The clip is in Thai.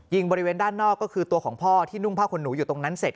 บริเวณด้านนอกก็คือตัวของพ่อที่นุ่งผ้าขนหนูอยู่ตรงนั้นเสร็จ